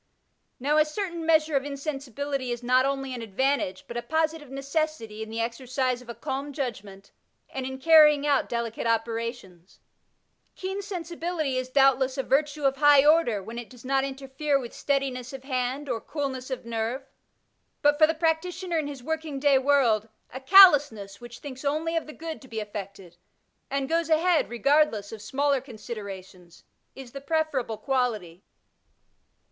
Now a certain measure of insensibility is not only an advantage, but a positive necessity in the exercise of a calm judgment, and in carrying out delicate operations. Keen sensibility is doubtless a virtue of high order, when it does not interfere with steadiness of hand or coolness of nerve ; but for the practitioner in his working day world, a callousness which thinks only of the good to be effected, and goes ahead regardless of smaller considerations, is the preferable quality.